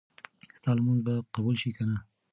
ستا لمونځ به قبول شي که نه؟